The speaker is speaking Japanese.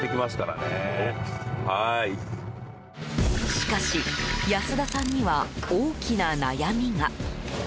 しかし、安田さんには大きな悩みが。